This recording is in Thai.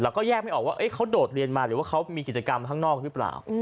แล้วก็แยกไม่ออกว่าเขาโดดเรียนมาหรือว่าเขามีกิจกรรมข้างนอกหรือเปล่า